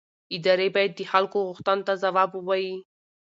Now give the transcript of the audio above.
ادارې باید د خلکو غوښتنو ته ځواب ووایي